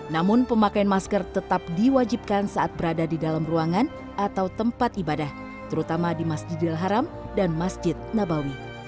namun pemakaian masker tetap diwajibkan saat berada di dalam ruangan atau tempat ibadah terutama di masjidil haram dan masjid nabawi